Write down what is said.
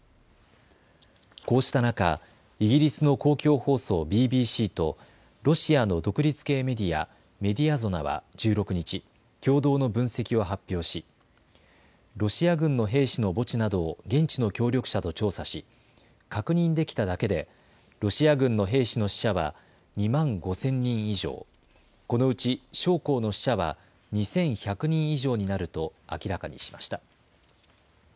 こうした中、イギリスの公共放送ＢＢＣとロシアの独立系メディア、メディアゾナは１６日、共同の分析を発表しロシア軍の兵士の墓地などを現地の協力者と調査し確認できただけでロシア軍の兵士の死者は２万５０００人以上、このうち将校の死者は２１００人以上になると明らかにしました。